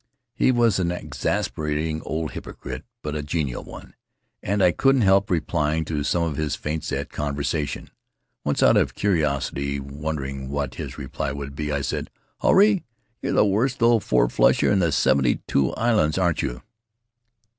He was an exasperating old hypocrite, but a genial one, and I couldn't help replying to some of his feints at conversation. Once, out of curiosity, wonder ing what his reply would be, I said, "Huirai, you're the worst old four flusher in the seventy two islands, aren't you?'